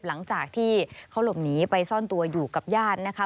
หลังจากที่เขาหลบหนีไปซ่อนตัวอยู่กับญาตินะคะ